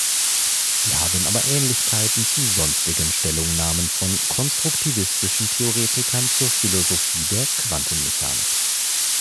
Sie haben aber Ähnlichkeiten zu sonstigen Stellungnahmen von konstruktivistischen Theoretikern zur Philosophie der Quantenmechanik.